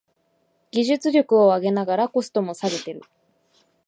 技術力を上げながらコストも下げてる